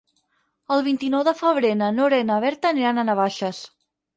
El vint-i-nou de febrer na Nora i na Berta aniran a Navaixes.